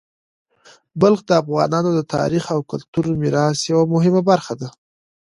بلخ د افغانانو د تاریخي او کلتوري میراث یوه مهمه برخه ده.